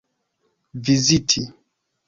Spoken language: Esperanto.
viziti